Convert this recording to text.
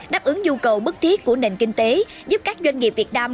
đáp ứng dù cầu bất thiết của nền kinh tế giúp các doanh nghiệp việt nam